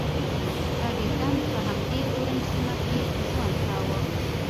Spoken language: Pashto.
ایډېسن په همدې اورنج سیمه کې ژوند کاوه.